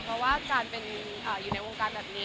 เพราะว่าการเป็นอยู่ในวงการแบบนี้